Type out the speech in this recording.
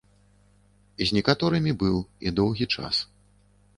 З некаторымі быў, і доўгі час.